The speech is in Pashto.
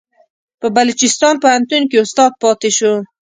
په بلوچستان پوهنتون کې استاد پاتې شو.